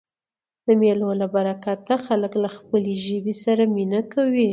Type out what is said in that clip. د مېلو له برکته خلک له خپلي ژبي سره مینه کوي.